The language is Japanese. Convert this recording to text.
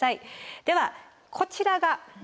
ではこちらが。